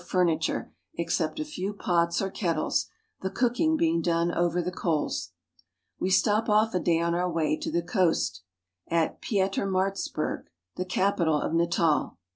furniture except a few pots or kettles, the cooking being done over the coals. We stop off a day on our way to the coast, at Pietermar itzburg (pe ter m4r'its burg), the capital of Natal.